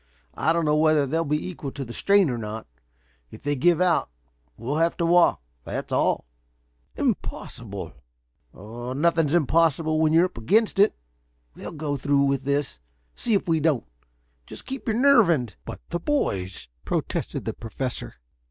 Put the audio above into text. I don't know whether they'll be equal to the strain or not. If they give out we'll have to walk, that's all." "Impossible!" exclaimed the Professor aghast. "Nothing's impossible when you're up against it. We'll go through with this, see if we don't. Just keep your nerve, and " "But the boys," protested the Professor.